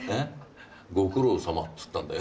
「ご苦労さま」っつったんだよ。